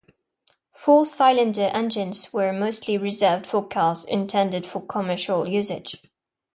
Four-cylinder engines were mostly reserved for cars intended for commercial usage.